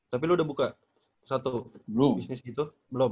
tapi lu udah buka satu bisnis gitu belum